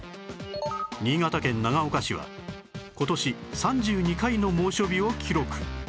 新潟県長岡市は今年３２回の猛暑日を記録